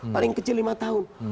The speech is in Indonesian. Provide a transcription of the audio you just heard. paling kecil lima tahun